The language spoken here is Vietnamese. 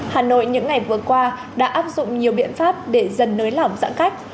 hà nội những ngày vừa qua đã áp dụng nhiều biện pháp để dần nới lỏng giãn cách